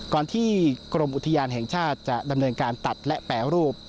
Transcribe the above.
กรมที่กรมอุทยานแห่งชาติจะดำเนินการตัดและแปรรูป